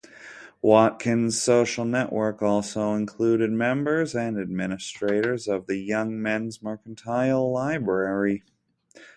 Watkin's social network also included members and administrators of the Young Men's Mercantile Library.